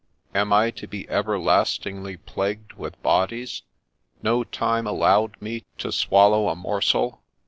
' Am I to be everlast ingly plagued with bodies ? No time allowed me to swallow a morsel.